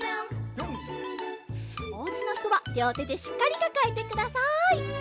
おうちのひとはりょうてでしっかりかかえてください。